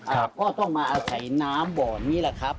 ก็ต้องมาอาศัยน้ำบ่อนี้แหละครับ